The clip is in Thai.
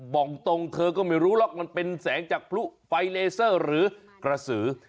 บอกตรงเธอก็ไม่รู้หรอกมันเป็นแสงจากพลุไฟเลเซอร์หรือกระสือ